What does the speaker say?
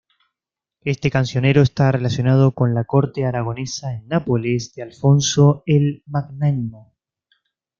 Este cancionero está relacionado con la corte aragonesa en Nápoles de Alfonso el Magnánimo.